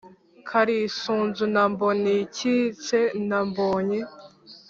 karisunzu na mbonikitse na mbonyi